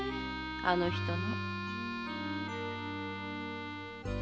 あの人の。